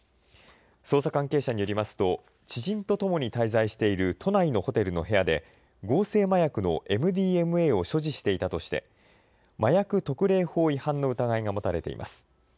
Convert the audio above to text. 捜査関係者によりますと知人とともに滞在している都内のホテルの部屋で合成麻薬のＭＤＭＡを所持していたとして麻薬特例法違反の疑いが持たれています。